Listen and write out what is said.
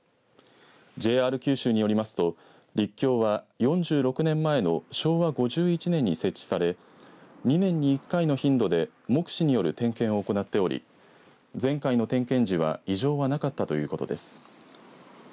ＪＲ九州によりますと陸橋は４６年前の昭和５１年に設置され２年に１回の頻度で目視による点検を行っており前回の点検時は異常はなかったということです。